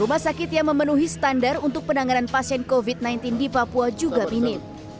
rumah sakit yang memenuhi standar untuk penanganan pasien covid sembilan belas di papua juga minim